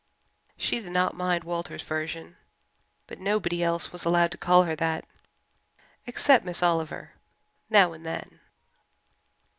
She did not mind Walter's version, but nobody else was allowed to call her that, except Miss Oliver now and then.